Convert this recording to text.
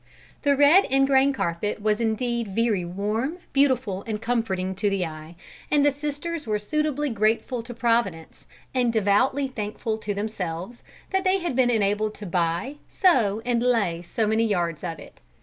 The red ingrain carpet was indeed very warm, beautiful, and comforting to the eye, and the sisters were suitably grateful to Providence, and devoutly thankful to themselves, that they had been enabled to buy, sew, and lay so many yards of it.